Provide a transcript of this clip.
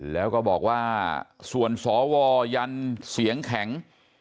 แล้วก็บอกว่าส่วนสวยันเสียงแข็ง